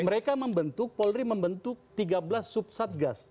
mereka membentuk polri membentuk tiga belas sub satgas